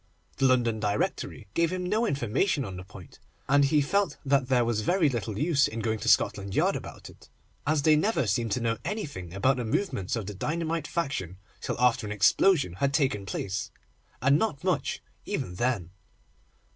The London Directory gave him no information on the point, and he felt that there was very little use in going to Scotland Yard about it, as they never seemed to know anything about the movements of the dynamite faction till after an explosion had taken place, and not much even then.